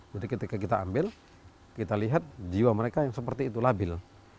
jadi ketika kita ambil kita lihat jiwa mereka yang seperti itu labil